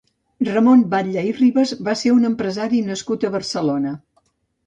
Ramon Batlle i Ribas va ser un empresari nascut a Barcelona.